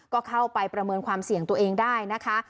ก็เข้าไปประเมินความเสี่ยงตัวเองได้นะคะ